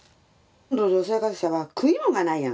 路上生活者は食いもんがないやん。